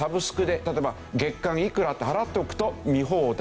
例えば月間いくらって払っておくと見放題。